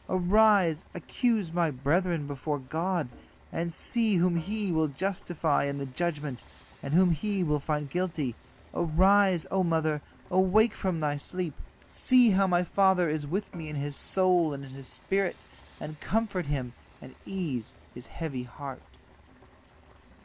Arise, accuse my brethren before God, and see whom He will justify in the judgment, and whom He will find guilty. Arise, O mother, awake from thy sleep, see how my father is with me in his soul and in his spirit, and comfort him and ease his heavy heart."